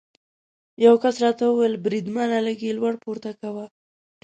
یو کس راته وویل: بریدمنه، لږ یې لوړ پورته کوه.